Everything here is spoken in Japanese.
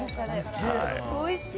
おいしい。